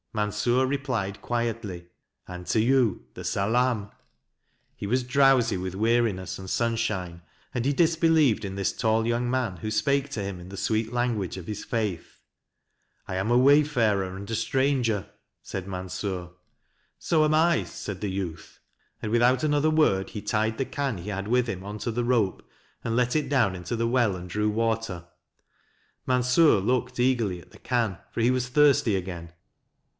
Mansur replied quietly: " And to you the Salaam." He was drowsy with weariness 52 4 MANSUR and sunshine, and he disbelieved in this tall young man who spake to him in the sweet language of his faith. " I am a wayfarer and a stranger," said Mansur. " So am I," said the youth, and without another word he tied the can he had with him on to the rope, and let it down into the well and drew water. Mansur looked eagerly at the can, for he was thirsty again.